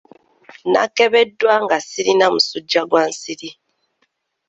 Nnakebeddwa nga sirina musujja gwa nsiri.